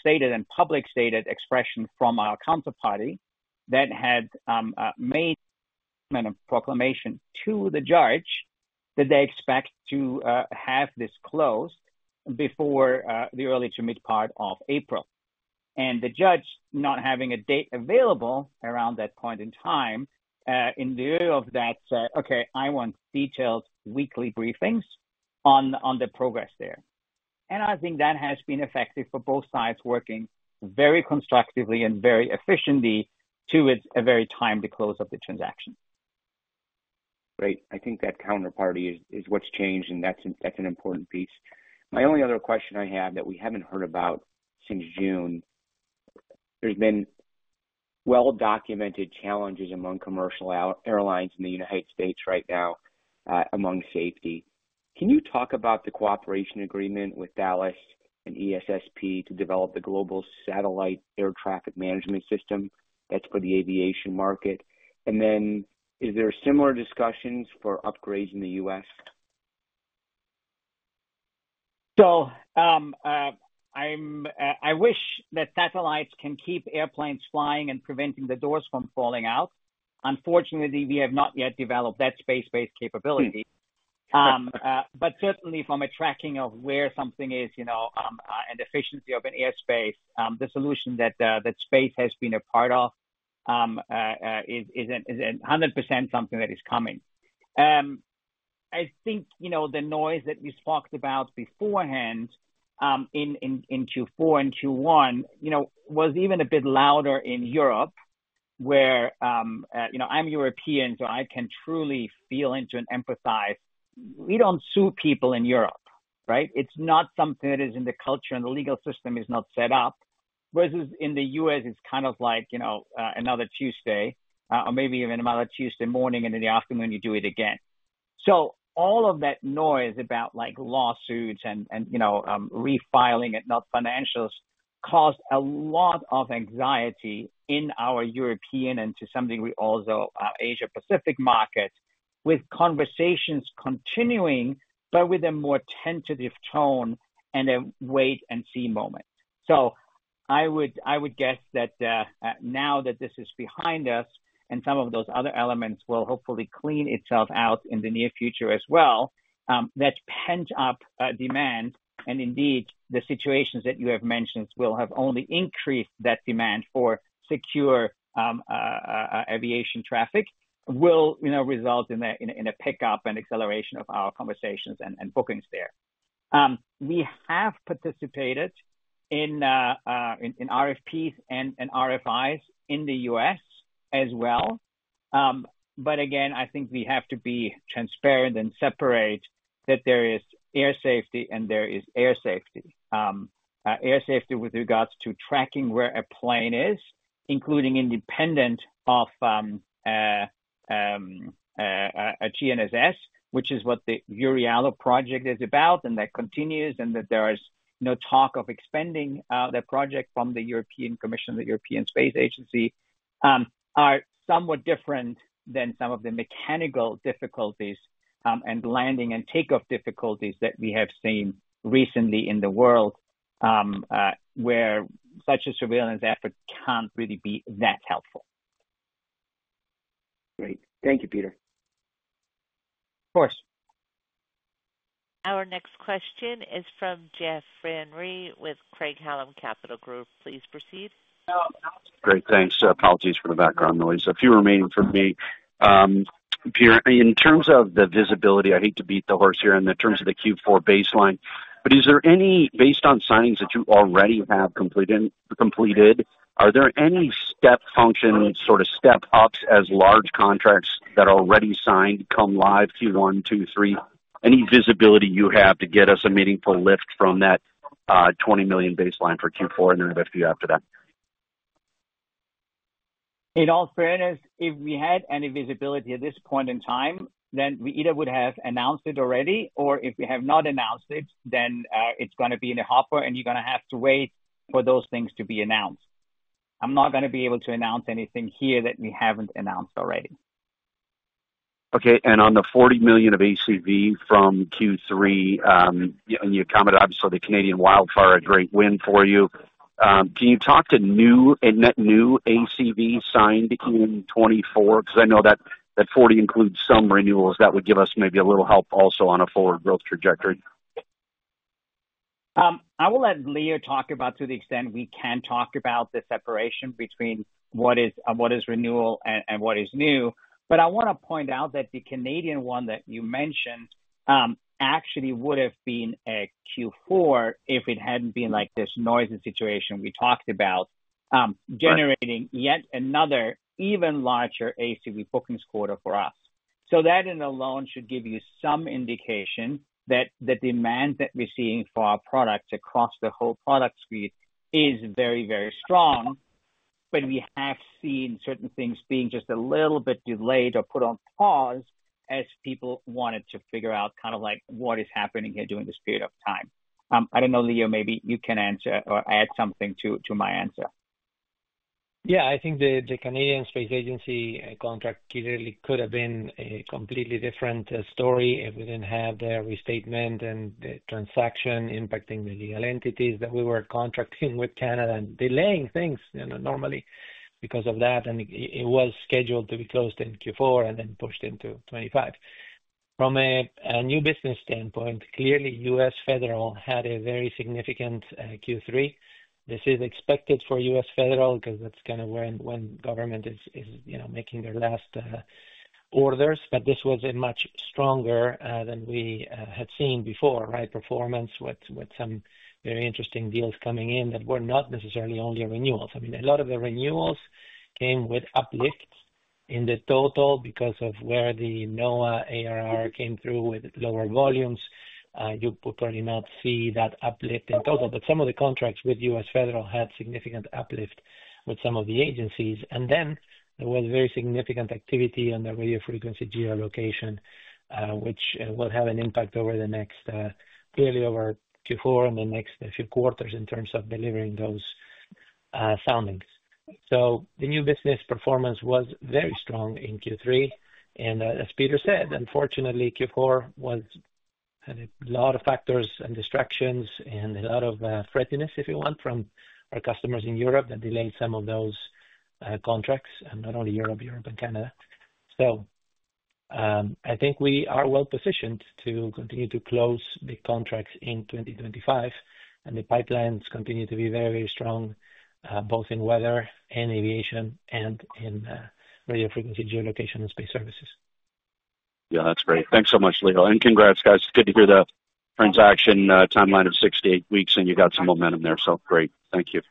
stated and public stated expression from our counterparty that had made a proclamation to the judge that they expect to have this closed before the early to mid part of April. The judge not having a date available around that point in time, in view of that, okay, I want detailed weekly briefings on the progress there. I think that has been effective for both sides working very constructively and very efficiently towards a very timely close of the transaction. Great. I think that counterparty is what's changed, and that's an important piece. My only other question I have that we haven't heard about since June, there's been well-documented challenges among commercial airlines in the United States. right now among safety. Can you talk about the cooperation agreement with Thales and ESSP to develop the global satellite air traffic management system that's for the aviation market? Is there similar discussions for upgrades in the U.S.? I wish that satellites can keep airplanes flying and preventing the doors from falling out. Unfortunately, we have not yet developed that space-based capability. Certainly, from a tracking of where something is and efficiency of an airspace, the solution that space has been a part of is 100% something that is coming. I think the noise that we spoke about beforehand in Q4 and Q1 was even a bit louder in Europe, where I'm European, so I can truly feel into and empathize. We don't sue people in Europe, right? It's not something that is in the culture and the legal system is not set up. Versus in the U.S., it's kind of like another Tuesday or maybe even another Tuesday morning, and in the afternoon, you do it again. All of that noise about lawsuits and refiling and not financials caused a lot of anxiety in our European and to some degree also our Asia-Pacific markets, with conversations continuing, but with a more tentative tone and a wait-and-see moment. I would guess that now that this is behind us and some of those other elements will hopefully clean itself out in the near future as well, that pent-up demand and indeed the situations that you have mentioned will have only increased that demand for secure aviation traffic will result in a pickup and acceleration of our conversations and bookings there. We have participated in RFPs and RFIs in the U.S. as well. Again, I think we have to be transparent and separate that there is air safety and there is air safety. Air safety with regards to tracking where a plane is, including independent of a GNSS, which is what the EURIALO project is about and that continues, and that there is no talk of expanding that project from the European Commission, the European Space Agency, are somewhat different than some of the mechanical difficulties and landing and takeoff difficulties that we have seen recently in the world where such a surveillance effort can't really be that helpful. Great. Thank you, Peter. Of course. Our next question is from Jeff Van Rhee with Craig-Hallum Capital Group. Please proceed. Great. Thanks. Apologies for the background noise. A few remaining for me. Peter, in terms of the visibility, I hate to beat the horse here in terms of the Q4 baseline, but is there any, based on signings that you already have completed, are there any step functions, sort of step-ups as large contracts that are already signed come live Q1, Q3? Any visibility you have to get us a meaningful lift from that $20 million baseline for Q4 and then a bit few after that? In all fairness, if we had any visibility at this point in time, then we either would have announced it already, or if we have not announced it, then it's going to be in a hopper, and you're going to have to wait for those things to be announced. I'm not going to be able to announce anything here that we haven't announced already. Okay. On the $40 million of ACV from Q3, and you commented, obviously, the Canadian wildfire, a great win for you. Can you talk to new ACV signed in 2024? Because I know that $40 million includes some renewals. That would give us maybe a little help also on a forward growth trajectory. I will let Leo talk about to the extent we can talk about the separation between what is renewal and what is new. I want to point out that the Canadian one that you mentioned actually would have been a Q4 if it had not been like this noisy situation we talked about, generating yet another even larger ACV bookings quarter for us. That in alone should give you some indication that the demand that we are seeing for our products across the whole product suite is very, very strong. We have seen certain things being just a little bit delayed or put on pause as people wanted to figure out kind of what is happening here during this period of time. I don't know, Leo, maybe you can answer or add something to my answer. Yeah. I think the Canadian Space Agency contract clearly could have been a completely different story if we didn't have the restatement and the transaction impacting the legal entities that we were contracting with Canada and delaying things normally because of that. It was scheduled to be closed in Q4 and then pushed into 2025. From a new business standpoint, clearly, U.S. federal had a very significant Q3. This is expected for U.S. federal because that's kind of when government is making their last orders. This was much stronger than we had seen before, right? Performance with some very interesting deals coming in that were not necessarily only renewals. I mean, a lot of the renewals came with uplifts in the total because of where the NOAA ARR came through with lower volumes. You could probably not see that uplift in total. Some of the contracts with U.S. federal had significant uplift with some of the agencies. There was very significant activity on the radio frequency geolocation, which will have an impact over the next, clearly over Q4 and the next few quarters in terms of delivering those soundings. The new business performance was very strong in Q3. As Peter said, unfortunately, Q4 had a lot of factors and distractions and a lot of threateness, if you want, from our customers in Europe that delayed some of those contracts, and not only Europe, Europe and Canada. I think we are well positioned to continue to close the contracts in 2025. The pipelines continue to be very, very strong, both in weather and aviation and in radio frequency geolocation and space services. Yeah, that's great. Thanks so much, Leo. Congrats, guys. It's good to hear the transaction timeline of six to eight weeks, and you got some momentum there. Great. Thank you.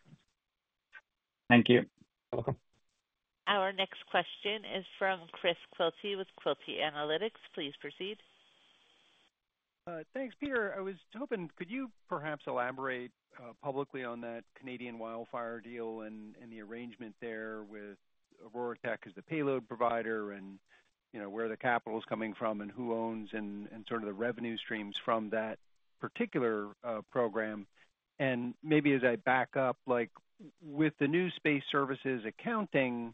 Thank you. You're welcome. Our next question is from Chris Quilty with Quilty Analytics. Please proceed. Thanks, Peter. I was hoping, could you perhaps elaborate publicly on that Canadian wildfire deal and the arrangement there with OroraTech as the payload provider and where the capital is coming from and who owns and sort of the revenue streams from that particular program? Maybe as I back up, with the new Space Services accounting,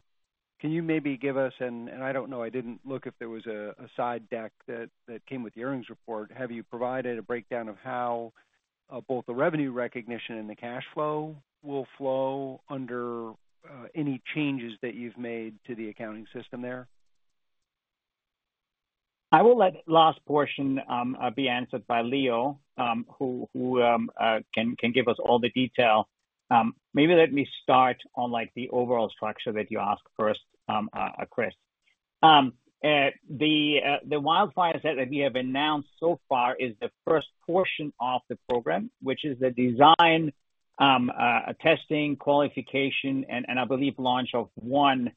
can you maybe give us, and I do not know, I did not look if there was a side deck that came with the earnings report, have you provided a breakdown of how both the revenue recognition and the cash flow will flow under any changes that you have made to the accounting system there? I will let the last portion be answered by Leo, who can give us all the detail. Maybe let me start on the overall structure that you asked first, Chris. The wildfire set that we have announced so far is the first portion of the program, which is the design, testing, qualification, and I believe launch of one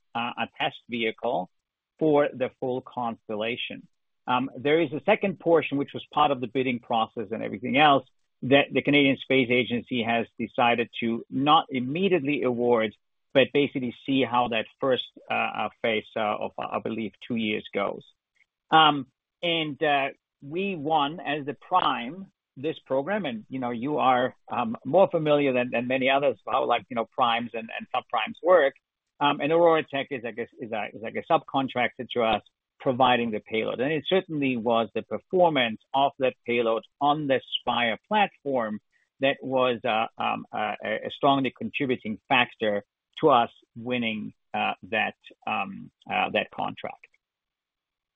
test vehicle for the full constellation. There is a second portion, which was part of the bidding process and everything else, that the Canadian Space Agency has decided to not immediately award, but basically see how that first phase of, I believe, two years goes. We won as the prime this program, and you are more familiar than many others about how primes and subprimes work. OroraTech is like a subcontractor to us providing the payload. It certainly was the performance of that payload on the Spire platform that was a strongly contributing factor to us winning that contract.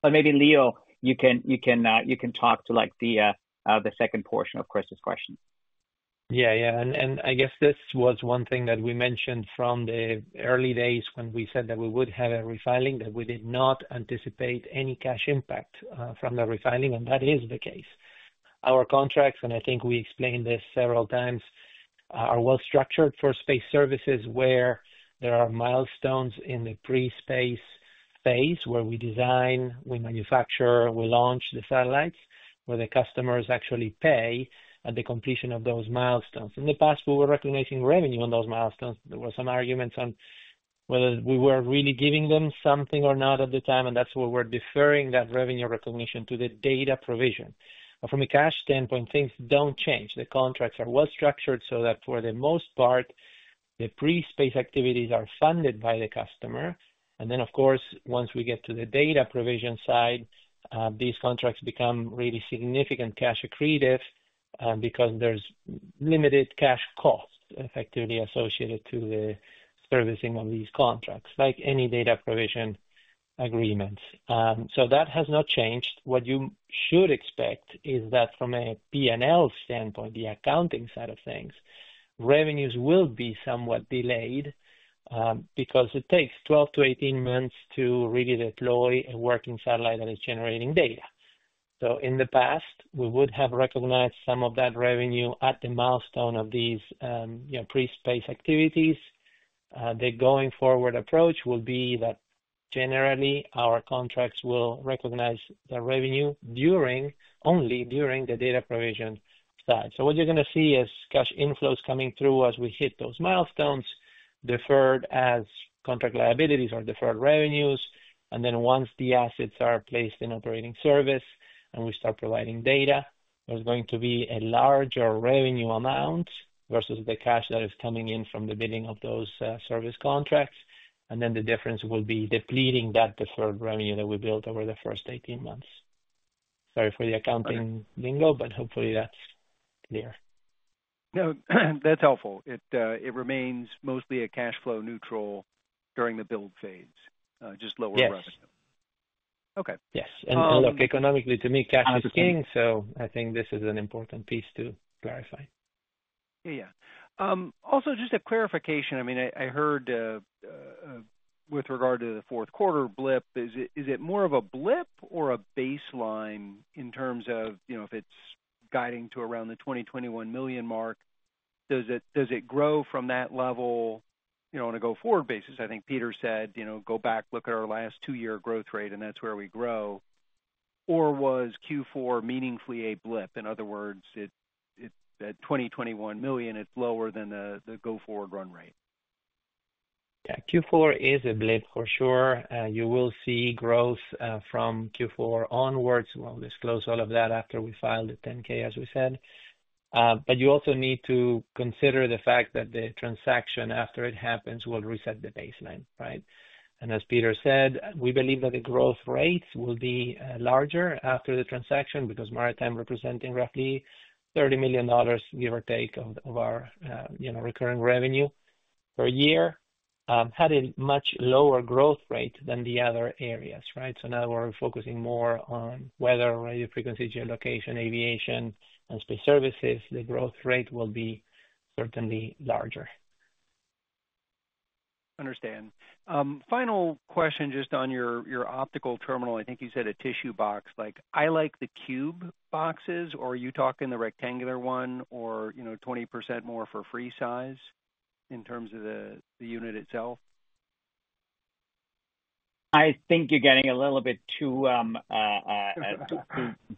Maybe Leo, you can talk to the second portion of Chris's question. Yeah, yeah. I guess this was one thing that we mentioned from the early days when we said that we would have a refiling, that we did not anticipate any cash impact from the refiling. That is the case. Our contracts, and I think we explained this several times, are well-structured for Space Services where there are milestones in the pre-space phase where we design, we manufacture, we launch the satellites, where the customers actually pay at the completion of those milestones. In the past, we were recognizing revenue on those milestones. There were some arguments on whether we were really giving them something or not at the time, and that's why we're deferring that revenue recognition to the data provision. From a cash standpoint, things do not change. The contracts are well-structured so that for the most part, the pre-space activities are funded by the customer. Of course, once we get to the data provision side, these contracts become really significant cash accretive because there is limited cash cost effectively associated to the servicing of these contracts, like any data provision agreements. That has not changed. What you should expect is that from a P&L standpoint, the accounting side of things, revenues will be somewhat delayed because it takes 12-18 months to really deploy a working satellite that is generating data. In the past, we would have recognized some of that revenue at the milestone of these pre-space activities. The going forward approach will be that generally our contracts will recognize the revenue only during the data provision side. What you're going to see is cash inflows coming through as we hit those milestones, deferred as contract liabilities or deferred revenues. Once the assets are placed in operating service and we start providing data, there's going to be a larger revenue amount versus the cash that is coming in from the bidding of those service contracts. The difference will be depleting that deferred revenue that we built over the first 18 months. Sorry for the accounting lingo, but hopefully that's clear. No, that's helpful. It remains mostly cash flow neutral during the build phase, just lower revenue. Yes. Okay. Yes. Look, economically, to me, cash is king. I think this is an important piece to clarify. Yeah, yeah. Also, just a clarification. I mean, I heard with regard to the fourth quarter blip, is it more of a blip or a baseline in terms of if it's guiding to around the $20 million-$21 million mark? Does it grow from that level on a go-forward basis? I think Peter said, "Go back, look at our last two-year growth rate, and that's where we grow." Or was Q4 meaningfully a blip? In other words, at $20 million-$21 million, it's lower than the go-forward run rate. Yeah. Q4 is a blip for sure. You will see growth from Q4 onwards. We will disclose all of that after we file the 10-K, as we said. You also need to consider the fact that the transaction, after it happens, will reset the baseline, right? As Peter said, we believe that the growth rates will be larger after the transaction because Maritime, representing roughly $30 million, give or take, of our recurring revenue per year, had a much lower growth rate than the other areas, right? Now we are focusing more on weather, radio frequency geolocation, aviation, and space services. The growth rate will be certainly larger. Understand. Final question just on your optical terminal. I think you said a tissue box. I like the cube boxes, or are you talking the rectangular one or 20% more for free size in terms of the unit itself? I think you're getting a little bit too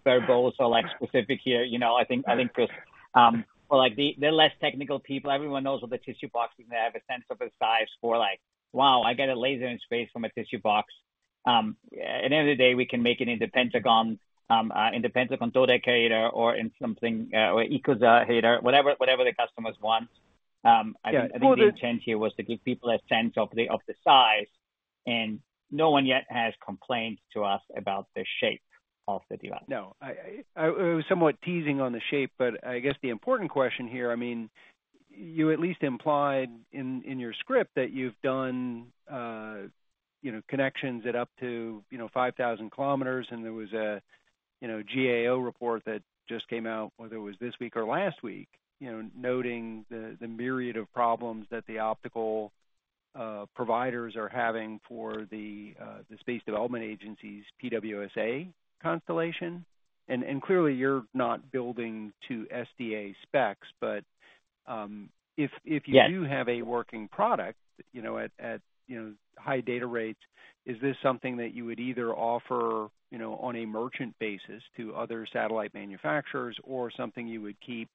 verbose, so I'll act specific here. I think just for the less technical people, everyone knows what the tissue box is. They have a sense of the size for like, "Wow, I got a laser in space from a tissue box." At the end of the day, we can make it in the pentagon, in the pentagon dodecahedron, or in something or icosahedron, whatever the customers want. I think the intent here was to give people a sense of the size, and no one yet has complained to us about the shape of the device. No. I was somewhat teasing on the shape, but I guess the important question here, I mean, you at least implied in your script that you've done connections at up to 5,000 km, and there was a GAO report that just came out, whether it was this week or last week, noting the myriad of problems that the optical providers are having for the Space Development Agency's PWSA constellation. Clearly, you're not building to SDA specs, but if you do have a working product at high data rates, is this something that you would either offer on a merchant basis to other satellite manufacturers or something you would keep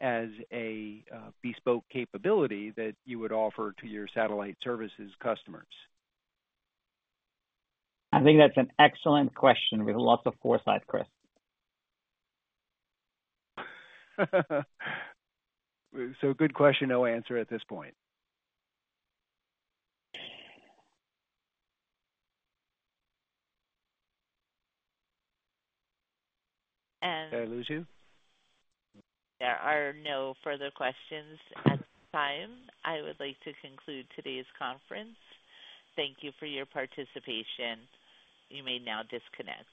as a bespoke capability that you would offer to your satellite services customers? I think that's an excellent question with lots of foresight, Chris. Good question, no answer at this point. Did I lose you? There are no further questions at this time. I would like to conclude today's conference. Thank you for your participation. You may now disconnect.